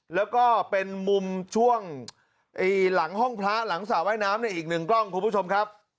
แล้วก็เป็นมุมช่วงหลังห้องพระหลังสระว่ายน้ำในอีกหนึ่งกล้องคุณผู้ชมครับ